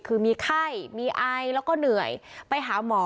คือมีไข้มีไอแล้วก็เหนื่อยไปหาหมอ